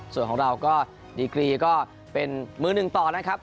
ส่วนของเราก็ดีกรีก็เป็นมือหนึ่งต่อนะครับ